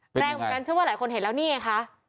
เป็นยังไงเช่นว่าหลายคนเห็นแล้วนี่ไงค่ะ